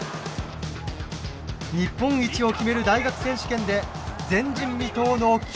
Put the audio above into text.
日本一を決める大学選手権で前人未到の９連覇。